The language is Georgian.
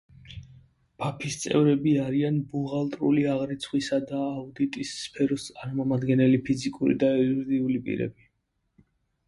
ბაფის წევრები არიან ბუღალტრული აღრიცხვისა და აუდიტის სფეროს წარმომადგენელი ფიზიკური და იურიდიული პირები.